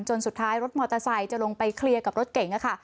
สุดท้ายรถมอเตอร์ไซค์จะลงไปเคลียร์กับรถเก๋งค่ะ